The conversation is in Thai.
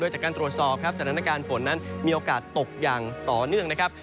จากการตรวจสอบครับสถานการณ์ฝนนั้นมีโอกาสตกอย่างต่อเนื่องนะครับ